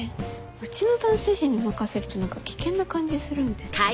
うちの男性陣に任せると何か危険な感じするんで。